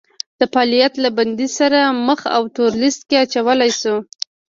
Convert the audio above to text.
د فعالیت له بندیز سره مخ او تور لیست کې اچول شوي